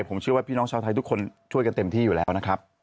ผมเชื่อว่าพี่น้องชาวไทยทุกคนช่วยกันเต็มที่อยู่แล้วนะครับ